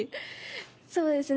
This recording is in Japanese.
そうですね。